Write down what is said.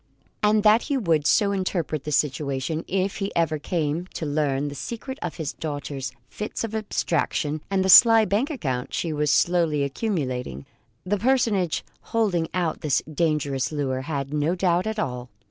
And that he would so interpret the situation, if he ever came to learn the secret of his daughter's fits of abstraction and the sly bank account she was slowly accumulating, the personage holding out this dangerous lure had no doubt at all.